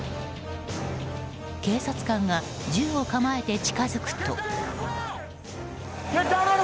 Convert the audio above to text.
警察官が銃を構えて近づくと。